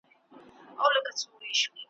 په نارو به یې خبر سمه او غر سو `